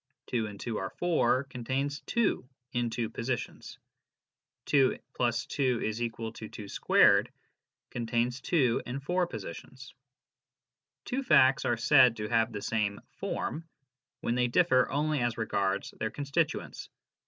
" Two and two are four " contains two in two positions. " 2 + 2 = 2 2 " contains 2 in four positions. Two facts are said to have the same " form " when they differ only as regards their constituents.